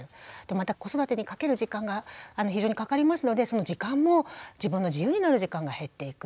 また子育てにかける時間が非常にかかりますのでその時間も自分の自由になる時間が減っていく。